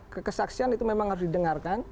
kekesaksian itu memang harus didengarkan